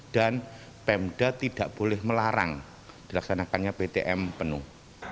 dan pemda tidak boleh melarang dilaksanakannya ptm penuh